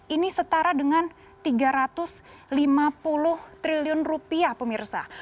ini setara dengan tiga ratus lima puluh triliun rupiah